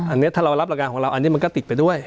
อันนี้ถ้าเรารับรายการของเราอันนี้มันก็ติดไปด้วย